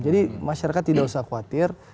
jadi masyarakat tidak usah khawatir